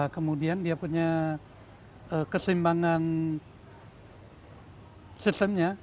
kemudian dia punya keseimbangan sistemnya